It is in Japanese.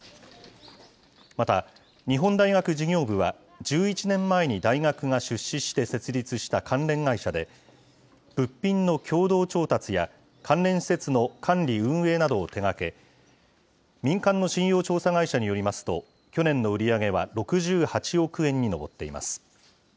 また、日本大学事業部は、１１年前に大学が出資して設立した関連会社で、物品の共同調達や関連施設の管理・運営などを手がけ、民間の信用調査会社によりますと、去年の売り上げは６８億円に上っています。